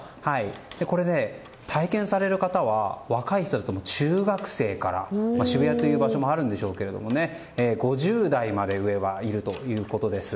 これ、体験される方は若い人だと中学生から渋谷という場所もあるんでしょうけど５０代まで上はいるということです。